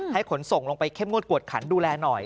ขนส่งลงไปเข้มงวดกวดขันดูแลหน่อย